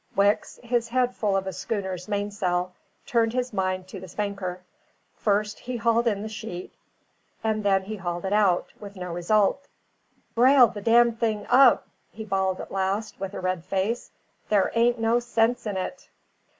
Wicks, his head full of a schooner's mainsail, turned his mind to the spanker. First he hauled in the sheet, and then he hauled it out, with no result. "Brail the damned thing up!" he bawled at last, with a red face. "There ain't no sense in it."